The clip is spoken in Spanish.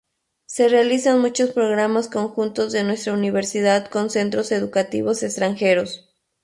Se realizan muchos programas conjuntos de nuestra universidad con centros educativos extranjeros.